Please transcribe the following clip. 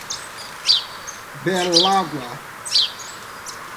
Belágua